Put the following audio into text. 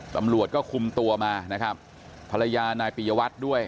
ตำรวจก็คุมตัวมานะครับภรรยานายปียวัตรด้วย